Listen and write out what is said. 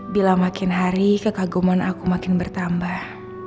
bila makin hari kekaguman aku makin bertambah